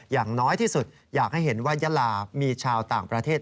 อย่างน้อยที่สุดอยากให้เห็นว่ายาลามีชาวต่างประเทศ